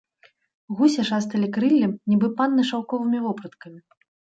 Гусі шасталі крыллем, нібы панны шаўковымі вопраткамі.